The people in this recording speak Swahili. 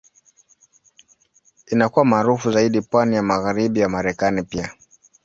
Inakuwa maarufu zaidi pwani ya Magharibi ya Marekani pia.